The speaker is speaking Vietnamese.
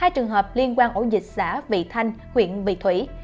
hai trường hợp liên quan ổ dịch xã vị thanh huyện vị thủy